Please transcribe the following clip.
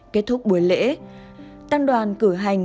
kết thúc buổi lễ tăng đoàn cử hành